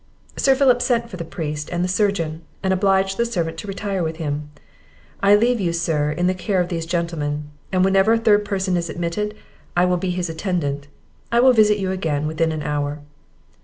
Sir Philip sent for the priest and the surgeon, and obliged the servant to retire with him. "I leave you, sir, to the care of these gentlemen; and whenever a third person is admitted, I will be his attendant; I will visit you again within an hour."